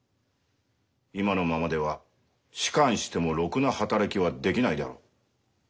今のままでは仕官してもろくな働きはできないだろう。